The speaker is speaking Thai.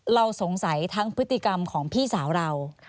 เราสงสัยทั้งพฤติกรรมของพี่สาวเรา